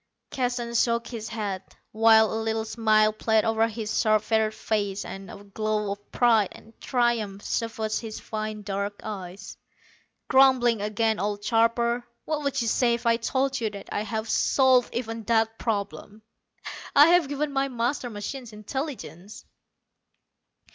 Keston shook his head, while a little smile played over his sharp featured face, and a glow of pride and triumph suffused his fine dark eyes. "Grumbling again, old carper. What would you say if I told you that I have solved even that problem? I have given my master machine intelligence!"